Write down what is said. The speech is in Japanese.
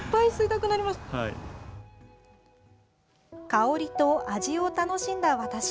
香りと味を楽しんだ私。